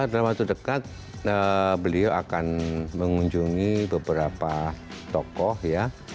dalam waktu dekat beliau akan mengunjungi beberapa tokoh ya